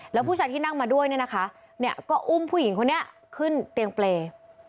แล้วผู้ชายที่นั่งมาด้วยเนี่ยนะคะเนี่ยก็อุ้มผู้หญิงคนนี้ขึ้นเตียงเปรย์